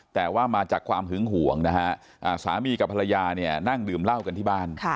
แต่ว่ามาจากความหึงห่วงนะฮะสามีกับภรรยาเนี่ยนั่งดื่มเหล้ากันที่บ้าน